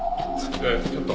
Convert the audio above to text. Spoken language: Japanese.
ちょっと。